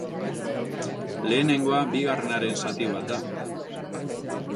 Lehenengoa bigarrenaren zati bat da.